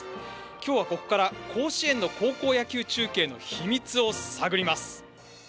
今日はここから、甲子園の高校野球中継の秘密を探ります。